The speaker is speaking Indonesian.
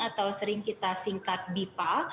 atau sering kita singkat bipa